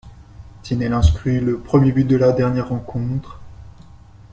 Thinel inscrit le premier but de la dernière rencontre.